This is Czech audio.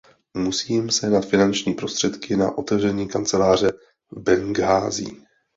Musím sehnat finanční prostředky na otevření kanceláře v Benghází.